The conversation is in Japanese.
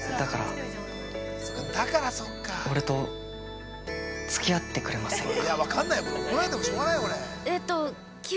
だから俺と、つき合ってくれませんか？